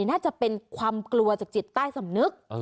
น่าจะเป็นความกลัวจากจิตใต้สำนึก